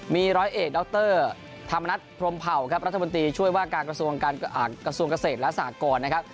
มีร้อยเอกด๊อคเตอร์ธรรมนัสพรมเผ่ารัฐมนตรีช่วยว่ากระทรวงกเศรษฐ์และสหกร